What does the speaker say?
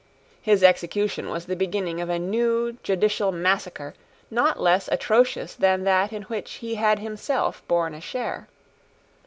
His execution was the beginning of a new judicial massacre not less atrocious than that in which he had himself borne a share.